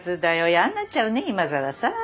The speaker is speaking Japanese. やんなっちゃうね今更さ。